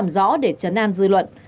đó để chấn an dư luận